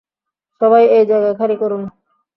সবাই এই জায়গা খালি করুন।